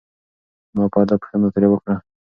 ما په ادب پوښتنه ترې وکړه.